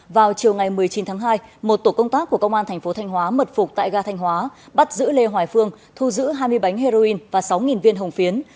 vào chiều ngày một mươi chín tháng hai một tổ công tác của công an thành phố thanh hóa mật phục tại ga thanh hóa bắt giữ lê hoài phương thu giữ hai mươi bánh heroin và sáu viên hồng phiến